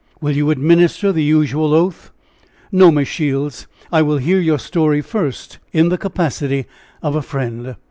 "Will you administer the usual oath?" "No, Miss Shields; I will hear your story first in the capacity of friend."